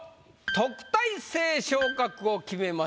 特待生昇格を決めました